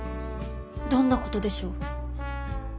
どんなことでしょう？